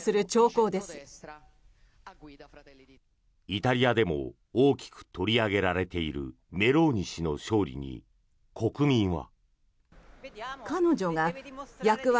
イタリアでも大きく取り上げられているメローニ氏の勝利に国民は。